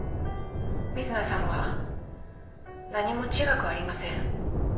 瑞奈さんは何も違くありません。